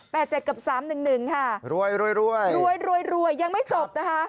นี่๘๗กับ๓๑๑ค่ะรวยยังไม่จบนะคะ